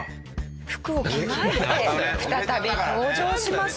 服を着替えて再び登場します。